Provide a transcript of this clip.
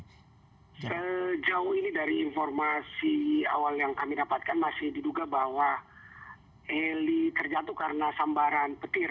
sejauh ini dari informasi awal yang kami dapatkan masih diduga bahwa heli terjatuh karena sambaran petir